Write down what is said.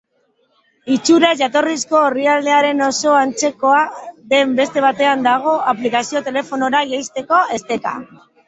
Itxuraz jatorrizko orrialdearen oso antzekoa den beste batean dago aplikazioa telefonora jaisteko esteka.